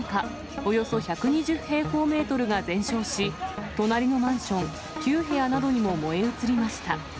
およそ１２０平方メートルが全焼し、隣のマンション９部屋などにも燃え移りました。